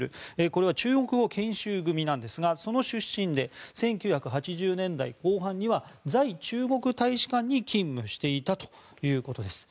これは中国語研修組なんですがその出身で１９８０年代後半には在中国大使館に勤務していたということです。